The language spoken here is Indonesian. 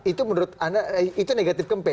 itu menurut anda itu negatif campaig